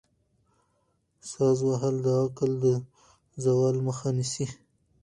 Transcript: ساز وهل د عقل د زوال مخه نیسي.